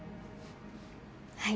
はい。